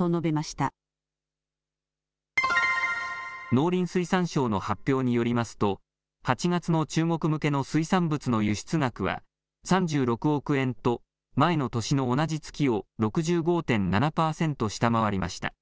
農林水産省の発表によりますと８月の中国向けの水産物の輸出額は３６億円と、前の年の同じ月を６５．７パーセント下回りました。